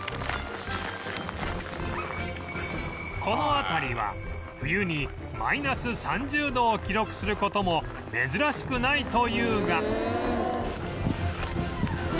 この辺りは冬にマイナス３０度を記録する事も珍しくないというが